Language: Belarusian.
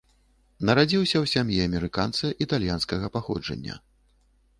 Нарадзіўся ў сям'і амерыканца італьянскага паходжання.